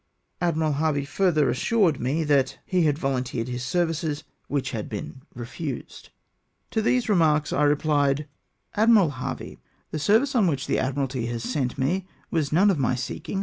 Admiral Harvey further assured me, that " he had volunteered his services, which had been re fused." To these remarks I repfied :" Admiral Harvey, the aa3 358 IMPRUDENCE OF ADMIRAL HARVEY. service on which the Admiralty has sent me was none of my seeking.